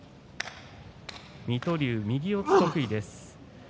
水戸龍、右四つ得意です。